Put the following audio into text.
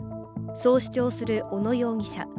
そう主張する小野容疑者。